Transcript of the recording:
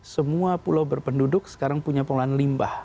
semua pulau berpenduduk sekarang punya pengolahan limbah